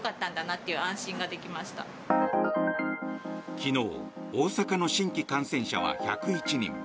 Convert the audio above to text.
昨日、大阪の新規感染者は１０１人。